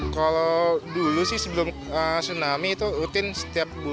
kalau dulu sih sebelum tsunami itu rutin setiap bulan